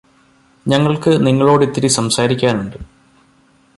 ഞങ്ങള്ക്ക് നിങ്ങളോടിത്തിരി സംസാരിക്കാനുണ്ട്